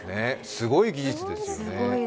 すごい技術ですよね。